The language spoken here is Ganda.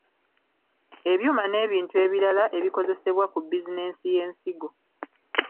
Ebyuma n’ebintu ebiralala ebikozesebwa ku bizinensi y’ensigo.